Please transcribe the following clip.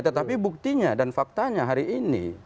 tetapi buktinya dan faktanya hari ini